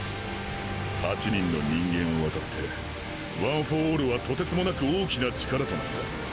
８人の人間をわたってワン・フォー・オールは途轍もなく大きな力となった。